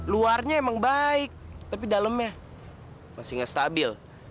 luarnya emang baik tapi dalemnya masih gak stabil